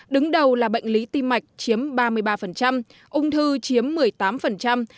đứng đầu là bệnh lý tim mạch chiếm ba mươi ba ung thư chiếm một mươi tám